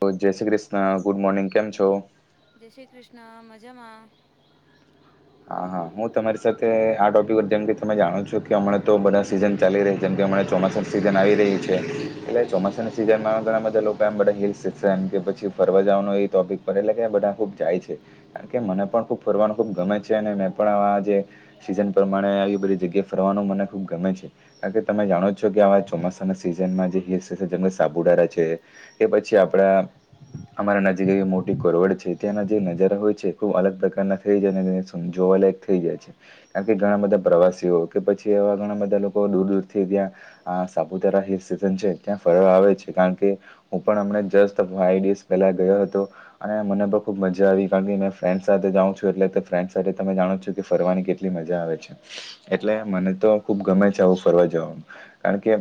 તો જય Shri Krishna good morning કેમ છો? જય શ્રી કૃષ્ણ મજામાં. હા હા હું તમારી સાથે આ ટોપિક પર જેમ કે તમે જાણો છો કે હમણાં તો બધા સીઝન ચાલી રહી જેમ કે હમણાં ચોમાસાની સિઝન આવી રહી છે એટલે ચોમાસાની સિઝનમાં ઘણા બધા લોકો આમ બધા હિલ્સ શિક્ષણ કે પછી ફરવા જવાનું એ ટોપિક પર એટલે બધા ખુબ જાય છે. કારણ કે મને પણ ખુબ ફરવાનું ખુબ ગમે છે. તેને મેં પણ આજે સીઝન પ્રમાણે આવી બધી જગ્યાએ ફરવાનું મને ખુબ ગમે છે. કાર કે તમે જાણો છો કે આ ચોમાસાના સિઝનમાં જે હીલ ટેશન જંગલ સાપુતારા છે. કે પછી આપડે અમારા નજીક મોટી કરવડ છે ત્યાંના જે નજારા હોય છે ખુબ અલગ પ્રકારના થઈ જાય અને જોવાલાયક થઈ જાય છે. કાર કે ઘણા બધા પ્રવાસીઓ કે પછી એવા ઘણા બધા લોકો દૂર દૂરથી ત્યાં આ સાપુતારા હિલ ટેશન છે ત્યાં ફરવા આવે છે કારણ કે હું પણ હમને જસ્ટ ફાઈવ ડેસ પેલા ગયો હતો. અને મને પણ ખુબ મજા આવી કારણ કે મે ફ્રેન્ડ સાથે જાઉં છું એટલે ફ્રેન્ તમે જાણો છો કે ફરવાની કેટલી મજા આવે છે. એટલે મને તો ખુબ ગમે છે આવું ફરવા જવાનું કારણ કે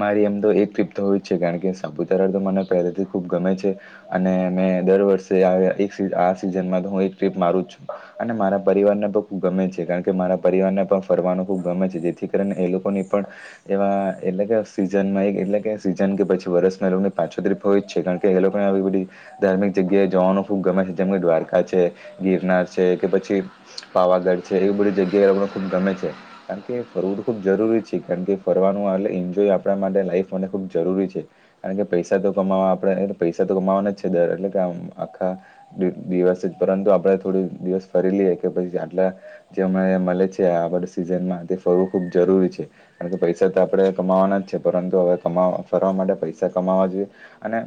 મારી એમ તો એક ટ્રીપ તો હોય જ છે કારણ કે સાપુતારા તો મને પહેલાથી ખૂબ ગમે છે. અને મેં દર વર્ષે એક આ સિઝનમાં હું એક ટ્રીપ મારું જ છું. અને મારા પરિવારને પણ ખુબ ગમે છે કારણ કે મારા પરિવારને પણ ફરવાનું ખુબ ગમે છે જેથી કરીન એ લોકોની પણ એવા એટલે કે સીઝનમાં એટલે કે સીઝન કે પછી વરસમાં લોકોને પાછો ટ્રીપ હોય જ છે કારણ કે એ લોકોને આવી બધી ધાર્મિક જગ્યાએ જવાનું ખુબ ગમે છે જેમ કે દ્વારકા છે ગિરનાર છે કે પછી પાવાગઢ છે એવી બધી જગ્યાએ અમને ખુબ ગમે છે. કારણ કે ફરવું તો ખુબ જરૂરી છે કારણ કે ફરવાનું એટલે એન્જોય આપણા માટે લાઈફ મને ખૂબ જરૂરી છે. કારણ કે પૈસા તો કમાવા આપણે પૈસા તો કમાવાના જ છે દર એટલે કે આમ આખા દિવસ જ પરંતુ આપડે થોડુ દિવસ ફરી લઈએ કે પછી આટલા જે હમાયા મળે છે આડ સિઝનમાં તે ફરવું ખુબ જરૂરી છે. કારણ કે પૈસા તો આપણે કમાવાના જ છે પરંતુ હવે કમા ફરવા માટે પૈસા કમાવા જોએ. અને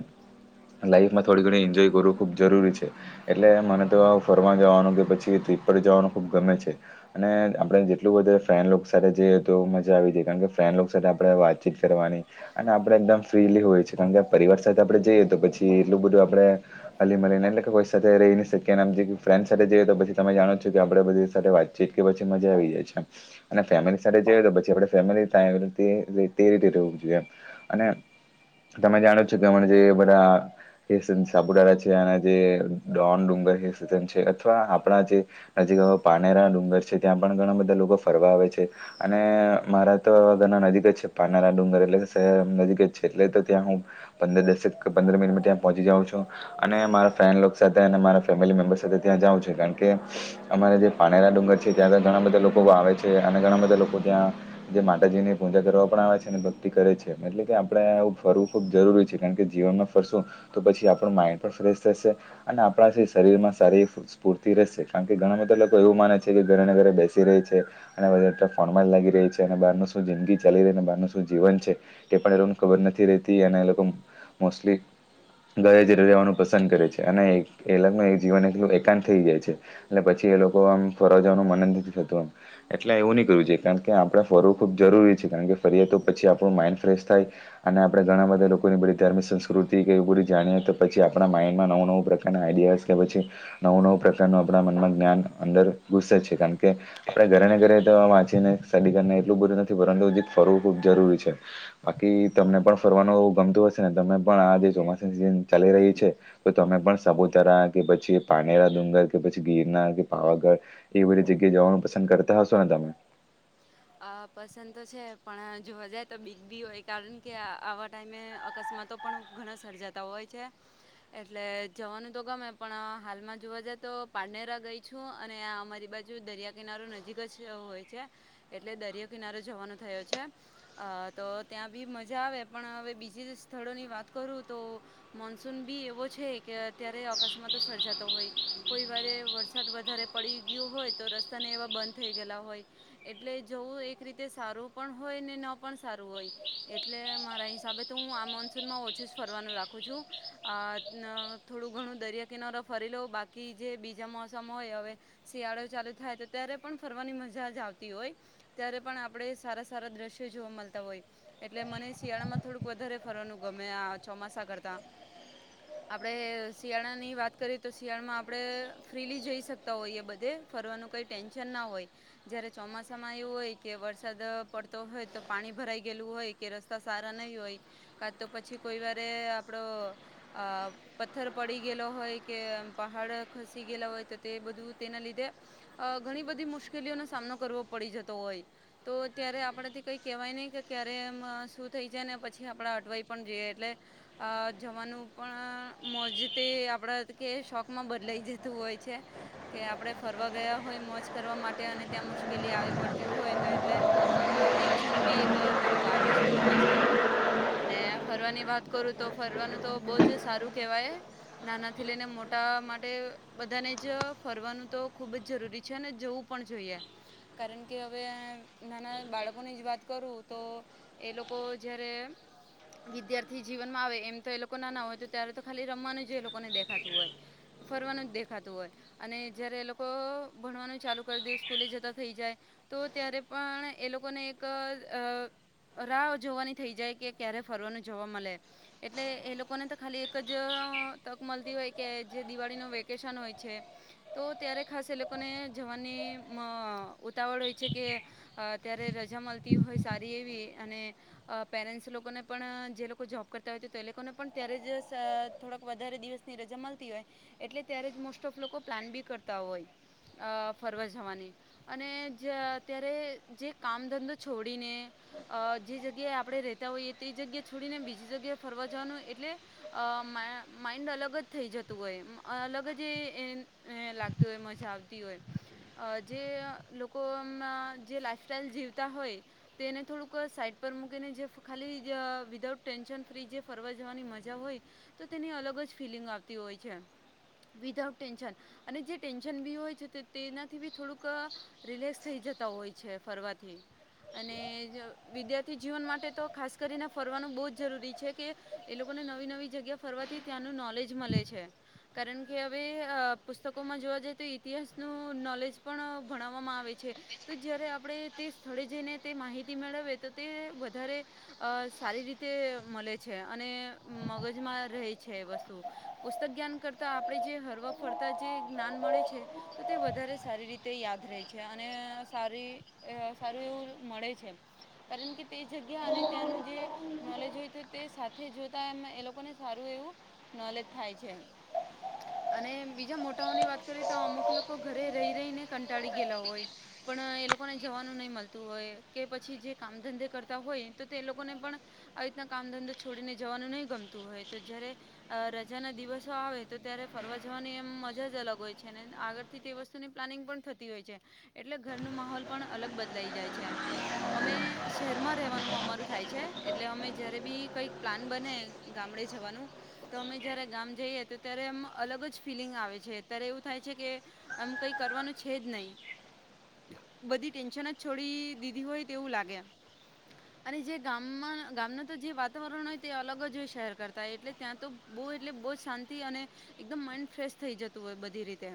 લાઈફમાં થોડી ઘણી એન્જોય કરવું ખૂબ જરૂરી છે એટલે મને તો ફરવા જવાનું કારણ કે પછી ટીપ પર જવાનું ખુબ ગમે છે. અને આપણે જેટલું બધે ફ્રેન્ડ લોક સાથે જઈએ તો મજા આવી જાઈ કારણ કે ફ્રેન્ડલોક સાથે આપણે વાતચીત કરવાની અને આપડે એકદમ ફ્રીલી હોય છે કારણ કે પરિવાર સાથે આપડે જઈએ તો પછી એટલું બધું આપડે હાલી મરેને એટલે કે કોઈ સાથે રહી નહી શકીયે એમ ફ્રેન્સ સાથે જઈએ તો પછી તમે જાણો છો કે આપે બધી સાથે વાતચીત કે પછી મજા આવી જાય છે. અને ફેમિલી સાથે જાઈ તો પછી આપણે ફેમિલી ટાઈ તે રીતે રેવુ જોઈએ એમ. અને તમે જાણો જ છો કે હમણા જે બધા હે સાપુતારા છે જે ડોન ડુંગર છે અથવા આપણા જે નજીક પાનેરા ડુંગર છે ત્યાં પણ ઘણા બધા લોકો ફરવા આવે છે. અને મારા તો ઘરના નજીક જ છે પાનેરા ડુંગર એટલે શહેર નજીક જ છે એટલે તો ત્યાં હું પંદર દસે પંદર મિનિટમા ત્યાં પહોંચી જાવ છુ. અને મારા ફ્રેન્ડગ સાથે અને મારા ફેમિલી મેમ્બર સાથે ત્યાં જઉં છે કારણ કે અમારે જે પાનેરા ડુંગર છે ત્યાં ઘણા બધા લોકો આવે છે અને ઘણા બધા લોકો ત્યાં જે માતાજી ની પૂજા કરવા પણ આવે છે અને ભક્તિ કરે છે એટલે કે આપડે ફરું ખૂબ જરૂરી છે કારણ કે જીવનમાં ફરશું તો પછી આપણું માઇન્ડ પણ ફ્રેશ થશે. અને આપણા માં સ્ફૂર્તિ રહેશે કારણ કે ઘણા બધા લોકો એવું માને છે કે ઘરે ને ઘરે બેસી રહી છે. અને બ ફોણમાં જ લાગી રહી છે અને બારનું શું જિંદગી ચાલી રહીને બારનું શું જીવન છે‌ એ પણ એ લોકોને ખબર નથી રતી એના એ લોકો મોસ્ટલી ઘરે જ રહેવાનું પસંદ કરે છે અને એલોગનું જીવન એ ાન થઈ જાય છે એટલે પછી એ લોકો આમ ફરજવાનું મનંદ નથી થતું આમ‌ એટલે એવું નહીં કરવ જોઈએ કારણ કે આપણે ફરવું ખૂબ જરૂરી છે કારણ કે ફરીએ તો પછી આપણું માઇન્ડ ફ્રેશ થાય. અને આપણે ઘણા બધા લોકોની બધી ધારમિક સંસ્કૃતિ કે એ બધી જાણીએ તો પછી આપણા માઇઈડમાં નવું નવું પ્રકારના આઈડિયાસ કે પછી નવું નવું પ્રકારનું આપણા મનમાં જ્ઞાન અંદર ગુસે જ છે કે આપણે ઘરેને ઘરે વાંચીને સ્ટડી કરી ને એટલું બધું નથી પરંતુ હજી ફરવું ખુબ જરૂરી છે. બાકી તમને પણ ફરવાનું એવું ગમતું હશે ને તમે પણ આ જે ચોમાસાની સિઝન ચાલી રહી છે તો તમે પણ સાપુતારા કે પછી પાનેરા ડુંગર કે પછી ગિરનાર કે પાવાગઢ એ બધી જગ્યાએ જવાનું પસંદ કરતા હશો ને તમે અ પસંદ તો છે પણ જોવા જાય તો બિગ બી હો એ કારણ કે આવા ટાઈમે અકસ્માતો પણ ઘણા સર્જાતા હોય છે એટલે જવાનું તો ગમે પણ હાલમાં જોવા જાય તો પાનેરા ગઈ છું અને અમારી બાજુ દરિયા કિનારો નજીક જ હોય છે એટલે દરિયા કિનારે જવાનું થયો છે અ તો ત્યાં બી મજા આવે પણ હવે બીજી સ્થળોની વાત કરું તો મોન્સૂન બી એવો છે કે અત્યારે અકસ્માતો સર્જાતો હોય કોઈ વારે વરસાદ વધારે પડી ગયો હોય તો રસ્તાને એવા બંધ થઈ ગેલા હોય એટલે જવું એક રીતે સારું પણ હોય ને ન પણ સારું હોય એટલે મારા હિસાબે તો હું આ મોન્સૂનમાં ઓછું જ ફરવાનું રાખું છું. અ થોડું ઘણું દરિયા કિનારો ફરી લઉ બાકી જે બીજા મોસમ હોય હવે શિયાળો ચાલુ થાય તો ત્યારે પણ ફરવાની મજા જ આવ હોય ત્યારે પણ આપણે સારા સારા દ્રશ્ય જોવા મળતા હોય એટલે મને શિયાળામાં થોડુંક વધારે ફરવાનું ગમે આ ચોમાસા કરતા [inaudible] આપણે શિયાળાની વાત કરીએ તો શિયાળામાં આપણે ફ્રીલી જઈ શકતા હોઈએ બધે ફરવાનું કઈ ટેન્શન ના હોય જયારે ચોમાસામાં એવું હોય કે વરસાદ પડતો હોય તો પાણી ભરાઈ ગયેલું હોય કે રસ્તા સારા નહીં હોય કા તો પછી કોઈ વારે આપડો આ પથ્થર પડી ગેલો હોય કે પહાડ ખસી ગયેલો હોય તો તે બધું તેના લીધે અ ઘણી બધી મુશ્કેલીઓનો સામનો કરવો પડી જતો હોય તો ત્યારે આપણેથી કંઈ કહેવાય નહીં કે ક્યારે એમ શું થઈ જાય ને પછી આપણે અટવાઈ પણ જઈએ એટલે અ જવાનું પણ મોજતી આપણા કે શોખમાં બદલાઈ જતું હોય છે કે આપણે ફરવા ગયા હોય મોજ કરવા માટે અને ત્યાં મુશ્કે કેલી આવી પડતી હોય તો એટલે ટેન્શન બી એક નવું આવી જતું હોય છે. અને ફરવાની વાત કરું તો ફરવાનું તો બહુ જ સારું કેહેવાય. નાનાથી લઈને મોટા માટે બધાને જ ફરવાનું તો ખૂબ જ જરૂરી છે અને જોવું પણ જોઈએ. કારણ કે હવે નાના બાળકોની જ વાત કરું તો એ લોકો જયારે વિદ્યાર્થી જીવનમાં આવે એમ તો એ લોકો નાના હોય તો ત્યારે તો ખાલી રમવાનું જ એ લોકોને દેખાતું હોય ફરવાનું જ દેખાતું હોય અને જયારે એ લોકો ભણવાનું ચાલુ કરી દે સ્કૂલે જતા થઈ જાય તો ત્યારે પણ એ લોકોને એક અ રાહ જોવાની થઈ જાય કે ક્યારે ફરવાનું જોવા મલે એટલે એ લોકોને તો ખાલી એક જ તક મલતી હોય કે જે દિવાળી ન વેકેશન હોય છે તો ત્યારે ખાસ એ લોકોને જવાની મ ઉતાવળ હોય છે કે અ ત્યારે રજા મલતી હોય સારી એવી અને અ પેરેન્ટ્સ લોકોને પણ જે લોકો જોબ કરતા હોય તો એ લોકોને પણ ત્યારે જ થોડાક વધારે દિવસ ની રજા મલતી હોય એટલે જ ત્યારેજ મોસ્ટ લોકો પ્લાન બી કરતા હોય અ ફરવા જવા જવાની અને જ ત્યારે જે કામ ધંધો છોડીને અ જે જગ્યાએ આપણે રેતા હોઈએ તે જગ્યા છોડીને બીજી જગ્યાએ ફરવા જવાનું એટલે અ મા માઇન્ડ અલગ જ થઈ જતું હોય અલગ જ એ એન એ લાગતી હોય મજા આવતી હોય જે લોકોમાં જે લાઈફસ્ટાઈલ જીવતા હોય તેને થોડુંક સાઈટ પર મૂકીને જે ખાલી વિધાઉટ ટેન્શન ફ્રી જે ફરવા જવાની મજા હોય તો તેની અલગ જ ફિલિંગ આવતી હોય છે. વિધાઉત ટેન્શન અને જે ટેન્શન બી હોય છે તો તેનાથી બી થોડુંક રિલેક્સ થઈ જતા હોય છે ફરવાથી અને જ વિદ્યાર્થી જીવન માટે તો ખાસ કરીને ફરવાનું બહુ જ જરૂરી છે કે એ લોકોને નવી નવી જગ્યા ફરવાથી ત્યાંનું નોલેજ મલે છે. કારણ કે હવે અ પુસ્તકોમાં જોવા જઈએ તો ઇતિહાસનું નોલેજ પણ ભણાવવામાં આવે છે તો જ્યારે આપણે તે સ્થળે જઈને તે માહિતી મેળવીએ તો તે વધારે અ સારી રીતે મલે છે અને મગજમાં રહે છે એ વસ્તુ પુસ્તક જ્ઞાન કરતા આપણે જે હરવા ફરતા જે જ્ઞાન મળે છે તો તે વધારે સારી રીતે તે યાદ રહે છે અને સારી સારું એવું મળે છે. કારણ કે તે જગ્યા અને ત્યાંનું જે નોલેજ હોય તો તે સાથે જોતા એમાં એ લોકોને સારું એવું નોલેજ થાય છે. અને બીજા મોટાઓની વાત કરીએ તો અમુક લોકો ઘરે રહી રહીને કંટાળી ગયેલા હોય. પણ એ લોકોને જવાનું નહીં મલતું હોય કે પછી જે કામ ધંધે કરતા હોય તો તે લોકોને પણ આવી રીતના કામ ધંધો છોડીને જવાનું નહી ગમતું હોય તો જયારે અ રજા ના દિવસો આવે તો ત્યારે ફરવા જવાની એમ મજા જ અલગ હોય છે અને આગળ થી તે વસ્તુની પ્લાનિંગ પણ થતી હોય છે એટલે ઘરનું માહોલ પણ અલગ બદલાઈ જાય છે એમ. અમે શહેરમાં રહેવાનું અમારું થાય છે એટલે અમે જ્યારે બી કઈક પ્લાન બને ગામડે જવાનું તો અમે જ્યારે ગામ જઈએ તો ત્યારે એમ અલગ જ ફિલિંગ આવે છે ત્યારે એવું થાય છે કે આમ કઈ કરવાનું છે જ નહીં બધી ટેન્શન જ છોડી દીધી હોય તેવું લાગે. [inaudible] અને જે ગામમાં ગામનું તો જે વાતાવરણ હોય તે અલગ જ હોય શહેર કરતાં એટલે ત્યાં તો બવ એટલે બવ જ શાંતિ અને એકદમ માઈન્ડ ફ્રેશ થઈ જતું હોય બધી રીતે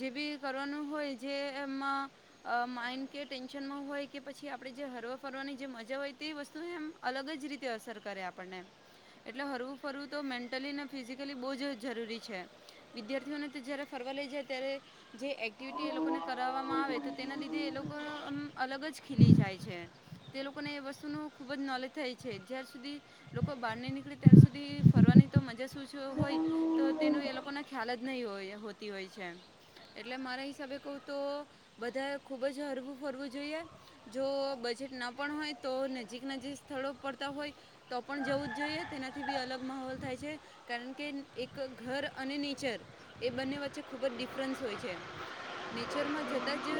જે બી કરવાનું હોય જે એમાં અ માઈન્ડ કે ટેન્શનમાં હોય કે પછી આપણે જે હરવા ફરવાની જે મજા હોય તે વસ્તુ એમ અલગ જ રીતે અસર કરે આપણને. એટલે હરવું ફરવું તો મેન્ટલી ને ફિઝિકલી બહુજ જ જરૂરી છે. વિદ્યાર્થીઓને તો જયારે ફરવા લઈ જાય ત્યારે જે એક્ટિવિટી એ લોકોને કરાવવામાં આવે તો તેના લીધે એ લોકો એમ અલગ જ ખીલી જાય છે. તે લોકોને એ વસ્તુનું ખૂબ જ નોલેજ થાય છે જ્યાર સુધી લોકો બહાર નઈ નીકળે ત્યાર સુધી ફરવાની તો મજા શું હોય. તો તેનું એ લોકોને ખ્યાલ જ નહી હોય હોતી હોય છે એમ એટલે મારા હિસાબે કઉ તો બધા ખુબ જ હરવું ફરવું જોઈએ. જો બજેટ ના પણ હોય તો નજીક નજીક સ્થળો પડતા હોય. તો પણ જવું જ જોઈએ તેનાથી બી અલગ માહોલ થાય છે. કારણ કે એક ઘર અને નેચર એ બંને વચ્ચે ખુબ જ ડિફરન્ટ હોય છે નેચરમાં જતાં જ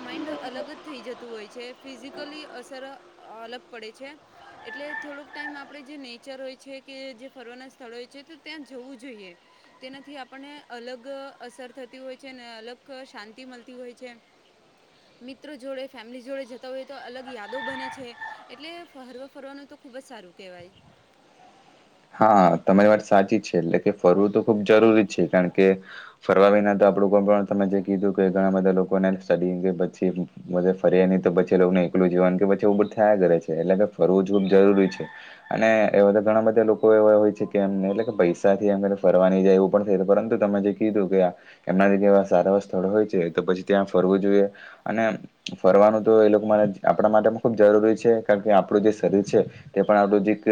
માઇન્ડ અલગ જ થઈ જ તું હોય છે ફિઝિકલી અસર અલગ પડે છે. એટલે થોડોક ટાઈમ આપણે જે નેચર હોય છે કે જે ફરવાના સ્થળો હોય છે તો ત્યાં જવું જોઈએ. તેનાથી આપણને અલગ અસર થતી હોય છે ને અલગ શાંતિ મલતી હોય છે. મિત્રો જોડે ફેમિલી જોડે જતા હોય તો અલગ યાદો બને છે. એટલે હરવા ફરવાનું તો ખુબ જ સારું કેહેવાય. હા તમારી વાત સાચી છે એટલે કે ફરવું તો ખુબ જરૂરી છે કારણ કે કે ફરવા વિના તો આપણું કો પણ તમે જે કીધું કે ઘણા બધા લોકોને સ્ટડી કે પછી ભલે ફરેની તો પછી એ લોકોને એકલું જવાનું કે પછી એ બધું થયા કરે છે એટલે કે ફરવું ખુબ જરૂરી છે. અને એવા તો ઘણા બધા લોકો કોઈ એવા હોય છે કે એમને એટલે કે પૈસા થી એમને ફરવા નઈ જાય એવું પણ થઈ પરંતુ તમે જે કીધું કે આ એમનાથી જેવા સારા સ્થળ હોય છે તો પછી ત્યાં ફરવું જોઈએ. અને ફરવાનું તો એ લોકો માટે આપણા માટે પણ ખુબ જરૂરી છે કારણ કે આપણું જે શરીર છે તે પણ આવડું જીક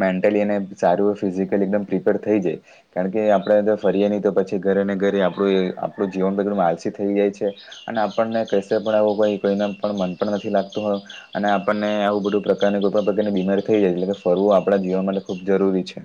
મેન્ટલી અને સારું ફિઝિકલી એકદમ પ્રિપેર થઈ જાય. કારણ કે આપણે ફરીએ નહી તો પછી ઘરે ને ઘરે આપણું આપણું જીવન એકદમ આલસી થઈ જાય છે. અને આપણને કસે પણ આવું કોઈ કોઈ પણ મન પણ નથી લાગતું હો. અને આપણને આવું બધું પ્રકારની કોઈ પણ પ્રકારની બીમારી થઈ જાય એટલે ફરવું આપ આપણા જીવા માટે ખૂબ જરૂરી છે.